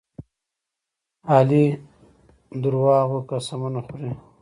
علي دروغ قسمونه خوري.